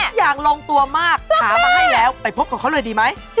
ทุกอย่างลงตัวมากหามาให้แล้วไปพบกับเขาเลยดีไหม